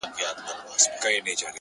لوړ همت د سترو کارونو پیل دی.!